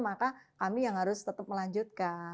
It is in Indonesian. maka kami yang harus tetap melanjutkan